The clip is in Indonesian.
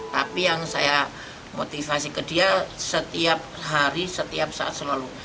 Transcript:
tapi yang saya motivasi ke dia setiap hari setiap saat selalu